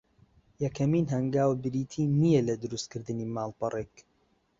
یەکەمین هەنگاو بریتی نییە لە درووست کردنی ماڵپەڕێک